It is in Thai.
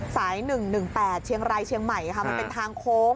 สาย๑๑๘เชียงรายเชียงใหม่ค่ะมันเป็นทางโค้ง